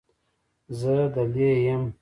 زه دلې یم.